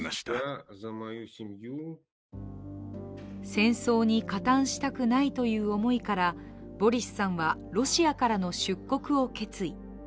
戦争に加担したくないという思いからボリスさんは、ロシアからの出国を決意。